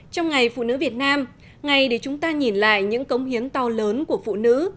trong ngày phụ nữ việt nam ngày để chúng ta nhìn lại những công hiến to lớn của phụ nữ